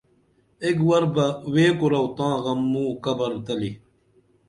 ایک ور بہ وے کُراو تاں غم موں قبر تلی